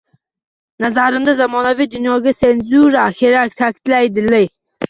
Nazarimda, zamonaviy dunyoga senzura kerak, ta`kidlaydi L